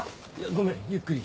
ごめんゆっくり。